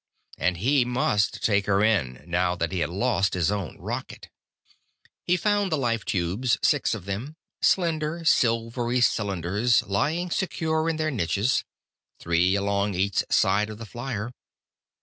And he must take her in, now that he had lost his own rocket! He found the life tubes, six of them, slender, silvery cylinders, lying secure in their niches, three along each side of the flier.